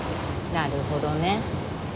なるほどね。